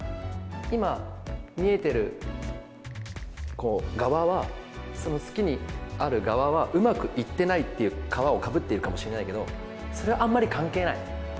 今、見えてる側は、その好きにある側は、うまくいってないっていう皮をかぶっているかもしれないけど、それはあんまり関係ない。